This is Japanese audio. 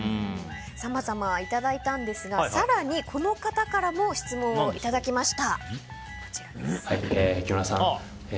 さまざま、いただいたんですが更に、この方からも質問をいただきました。